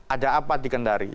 ada apa dikendari